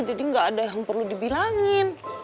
jadi gak ada yang perlu dibilangin